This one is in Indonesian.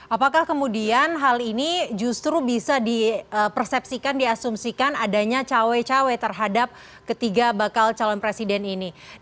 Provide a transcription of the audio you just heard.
apakah kemudian hal ini justru bisa dipersepsikan diasumsikan adanya cawe cawe terhadap ketiga bakal calon presiden ini